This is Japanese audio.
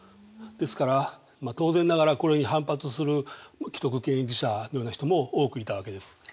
ですから当然ながらこれに反発する既得権益者のような人も多くいたわけです。